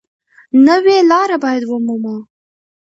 نوې لاره باید ومومو.